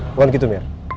bukan gitu mir